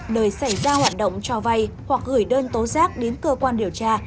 nơi xảy ra hoạt động cho vay hoặc gửi đơn tố giác đến cơ quan điều tra